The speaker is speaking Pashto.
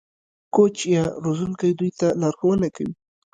کوچ یا روزونکی دوی ته لارښوونه کوي.